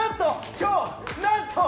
今日、なんと！